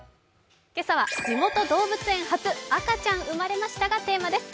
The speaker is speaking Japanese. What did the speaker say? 今朝は地元動物園発「赤ちゃん生まれました」がテーマです。